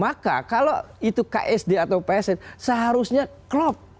maka kalau itu ksd atau psn seharusnya klop